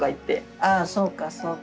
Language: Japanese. あそうかそうか。